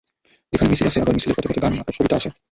এখানে মিছিল আছে, আবার মিছিলের পথে পথে গান, নাটক, কবিতা আছে।